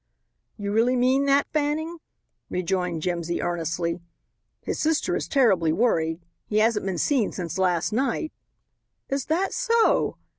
"You really mean that, Fanning?" rejoined Jimsy earnestly. "His sister is terribly worried. He hasn't been seen since last night." "Is that so?"